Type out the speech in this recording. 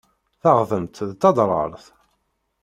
Taɣdemt d taderɣalt.